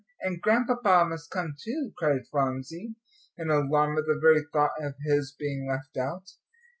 "And Grandpapa must come too," cried Phronsie, in alarm at the very thought of his being left out.